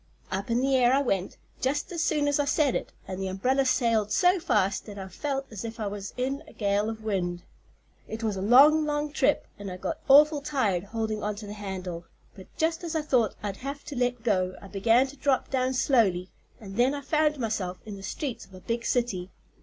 "Up in the air I went, just as soon as I said it, and the umbrella sailed so fast that I felt as if I was in a gale of wind. It was a long, long trip, and I got awful tired holding onto the handle, but just as I thought I'd have to let go I began to drop down slowly, and then I found myself in the streets of a big city.